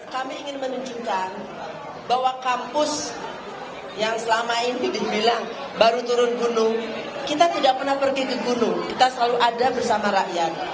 kami ingin menunjukkan bahwa kampus yang selama ini dibilang baru turun gunung kita tidak pernah pergi ke gunung kita selalu ada bersama rakyat